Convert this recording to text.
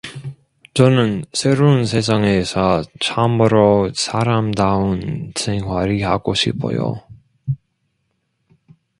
저는 새로운 세상에서 참으로 사람다운 생활이 하고 싶어요.